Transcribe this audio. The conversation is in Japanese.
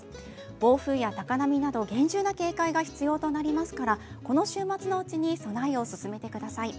暴風や高波など厳重な警戒が必要となりますからこの週末のうちに備えを進めてください。